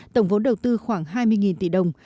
tổng vốn đầu tư khoảng hai mươi tỷ đồng